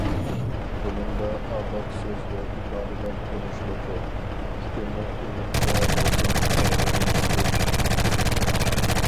بۇنىڭدا ئاۋات سۆز ۋە ئىبارىلەر تونۇشلۇقى، پىكىرنىڭ ئېنىق ۋە روشەن ئىپادىلىنىشىدۇر.